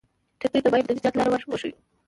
ټپي ته باید د نجات لاره ور وښیو.